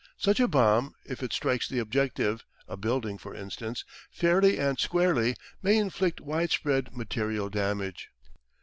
Such a bomb, if it strikes the objective, a building, for instance, fairly and squarely, may inflict widespread material damage.